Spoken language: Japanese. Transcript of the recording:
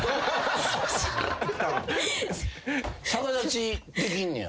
逆立ちできんねや？